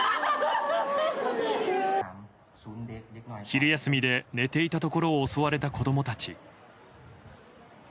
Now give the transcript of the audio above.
昼休みで寝ていたところを襲われた子供たち。